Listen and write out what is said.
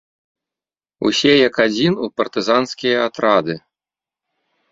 Усе, як адзін, у партызанскія атрады!